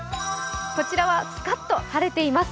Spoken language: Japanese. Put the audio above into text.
こちらはスカッと晴れています。